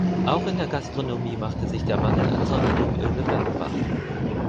Auch in der Gastronomie machte sich der Mangel an Sonnenblumenöl bemerkbar.